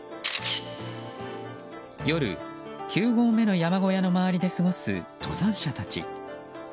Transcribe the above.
夜、９合目の山小屋の周りで過ごす登山者たち。